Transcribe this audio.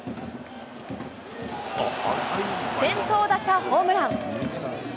先頭打者ホームラン。